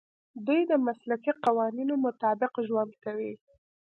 دوی د مسلکي قوانینو مطابق ژوند کوي.